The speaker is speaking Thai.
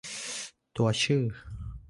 ตัวชื่อ